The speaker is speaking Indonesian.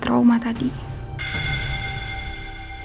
sekarang aku udah berhasil lepas dari papa